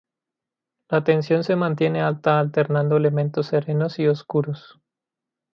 La tensión se mantiene alta alternando elementos serenos y oscuros.